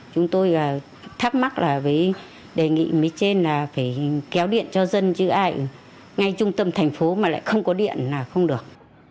chúng tôi thắc mắc là với đề nghị với trên là phải kéo điện cho dân chứ ai ngay trung tâm thành phố mà lại không có điện là không được